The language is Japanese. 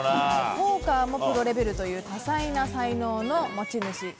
ポーカーもプロレベルという多才な才能の持ち主。